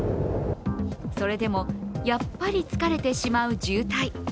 それでもやっぱり疲れてしまう渋滞。